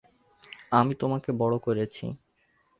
আমি তোমাকে বড় করেছি।